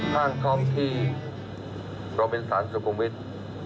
ท่างท้องที่บรมินศาลสุภูมิวิทธิ์